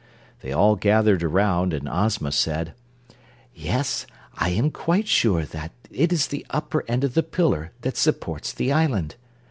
They all gathered around, and Ozma said: "Yes, I am quite sure that is the upper end of the pillar that supports the island.